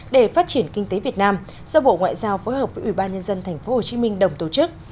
để phát triển kinh tế việt nam do bộ ngoại giao phối hợp với ủy ban nhân dân tp hcm đồng tổ chức